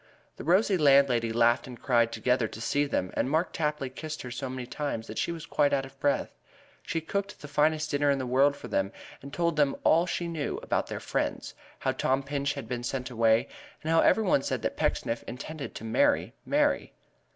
The rosy landlady laughed and cried together to see them and Mark Tapley kissed her so many times that she was quite out of breath. She cooked the finest dinner in the world for them and told them all she knew about their friends: how Tom Pinch had been sent away, and how every one said that Pecksniff intended to marry Mary.